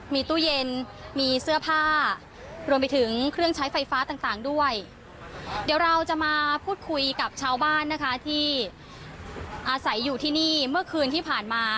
มีตู้เย็นมีเสื้อผ้ารวมไปถึงเครื่องใช้ไฟฟ้าต่างด้วยเดี๋ยวเราจะมาพูดคุยกับชาวบ้านนะคะที่อาศัยอยู่ที่นี่เมื่อคืนที่ผ่านมา